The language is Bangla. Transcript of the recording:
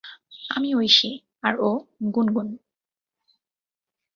আমি ঐশি আর ও গুনগুন।